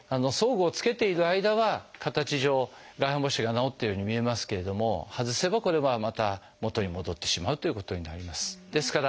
装具を着けている間は形上外反母趾が治ったように見えますけれども外せばこれはまた元に戻ってしまうということになります。